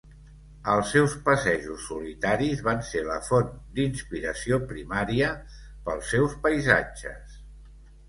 Els seus passejos solitaris van ser la font d'inspiració primària pels seus paisatges.